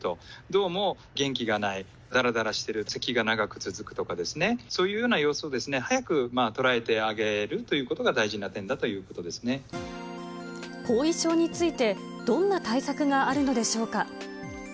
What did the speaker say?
どうも元気がない、だらだらしてる、せきが長く続くとかですね、そういうような様子を早く捉えてあげるということが大事な点だと後遺症について、どんな対策があるのでしょうか。